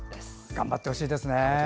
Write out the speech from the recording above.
頑張ってほしいですね。